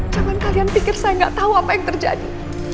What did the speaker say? jangan kalian pikir saya nggak tahu apa yang terjadi